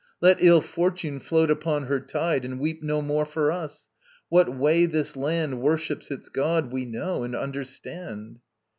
Let ill fortune float upon her tide And weep no more for us. What way this land Worships its god we know and understand.